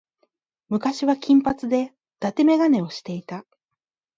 昔は金髪で伊達眼鏡をしていた。